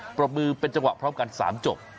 ปรบมือเป็นจังหวะพร้อมกัน๓จบ